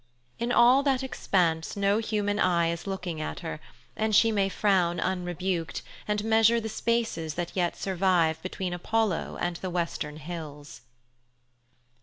In all that expanse no human eye is looking at her, and she may frown unrebuked and measure the spaces that yet survive between Apollo and the western hills.